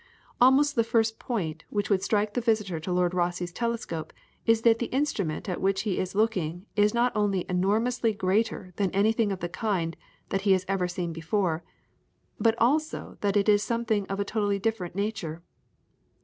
Almost the first point which would strike the visitor to Lord Rosse's telescope is that the instrument at which he is looking is not only enormously greater than anything of the kind that he has ever seen before, but also that it is something of a totally different nature.